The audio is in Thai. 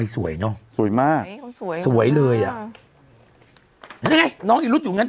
สวยเนอะสวยมากสวยสวยเลยอ่ะนี่ไงน้องอีฤทธิ์อยู่นั้นเธอ